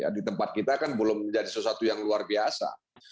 di tempat kita kan belum menjadi sesuatu yang luar biasa